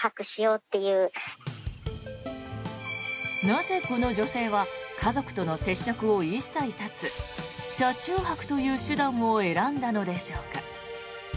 なぜこの女性は家族との接触を一切断つ車中泊という手段を選んだのでしょうか。